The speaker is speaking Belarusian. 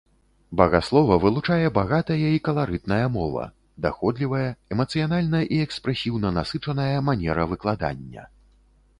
Багаслова вылучае багатая і каларытная мова, даходлівая, эмацыянальна і экспрэсіўна насычаная манера выкладання.